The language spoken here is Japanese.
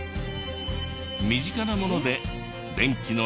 身近なもので電気の実用化を。